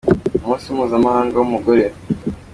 Umunsi Mpuzamahanga w’Umugore.